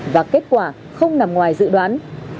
và kết quả không nằm ngoài dự đoán